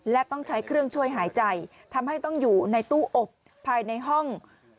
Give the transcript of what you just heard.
และต้องใช้เครื่องช่วยหายใจทำให้ต้องอยู่ในตู้อบภายในห้อง